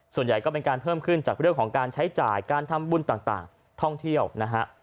ส่วนใหญ่ก็เป็นการเพิ่มขึ้นจากเรื่องของการใช้จ่ายการทำบุญต่างท่องเที่ยวนะฮะ